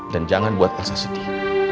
dan jangan buat elsa sedih